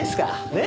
ねえ。